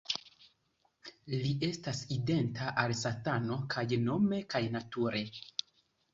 Li estas identa al Satano kaj nome kaj nature.